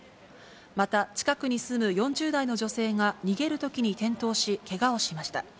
また、近くに住む４０代の女性が逃げるときに転倒し、けがをしました。